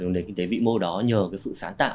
nền kinh tế vĩ mô đó nhờ cái sự sáng tạo